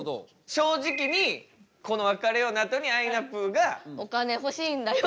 正直にこの「別れよう」のあとにあいなぷぅが「お金欲しいんだよ」